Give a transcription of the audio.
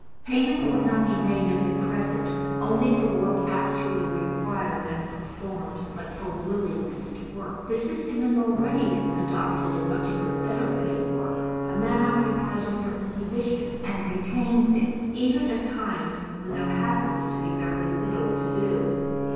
Payment will not be made, as at present, only for work actually required and performed, but for willingness to work. This system is already adopted in much of the better paid work: a man occupies a certain position, and retains it even at times when there happens to be very little to do.